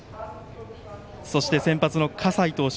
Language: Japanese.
そして先発の葛西投手。